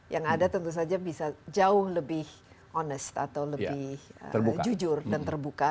yang ada tentu saja bisa jauh lebih onest atau lebih jujur dan terbuka